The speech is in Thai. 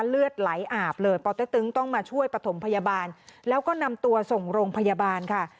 เลือดไหลอาบเลยปเต๊กตึงต้องมาช่วยปฐมพยาบาลแล้วก็นำตัวส่งโรงพยาบาลค่ะ